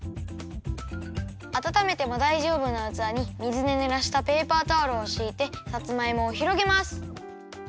あたためてもだいじょうぶなうつわに水でぬらしたペーパータオルをしいてさつまいもをひろげます。